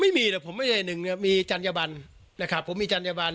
ไม่มีแต่ผมไม่ได้หนึ่งเนี่ยมีจัญญบันนะครับผมมีจัญญบัน